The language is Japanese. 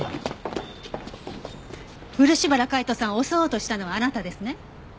漆原海斗さんを襲おうとしたのはあなたですね？